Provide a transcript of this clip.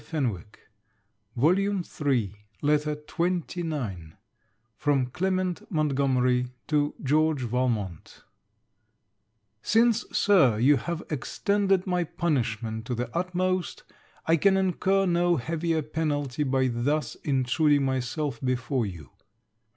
GEORGE VALMONT LETTER XXIX FROM CLEMENT MONTGOMERY TO GEORGE VALMONT Since, Sir, you have extended my punishment to the utmost, I can incur no heavier penalty by thus intruding myself before you.